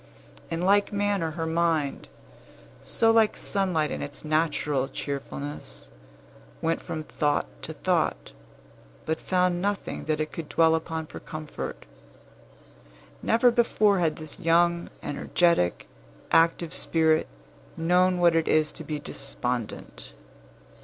In like manner her mind, so like sunlight in its natural cheerfulness, went from thought to thought, but found nothing that it could dwell upon for comfort. Never before had this young, energetic, active spirit known what it is to be despondent.